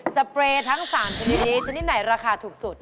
เปรย์ทั้ง๓ชนิดนี้ชนิดไหนราคาถูกสุด